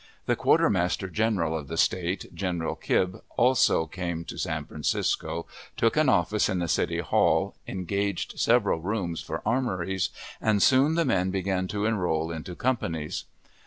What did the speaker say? The Quartermaster General of the State, General Kibbe, also came to San Francisco, took an office in the City Hall, engaged several rooms for armories, and soon the men began to enroll into companies.